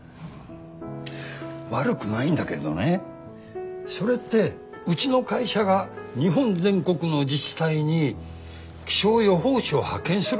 悪くないんだけどねそれってうちの会社が日本全国の自治体に気象予報士を派遣するってこと？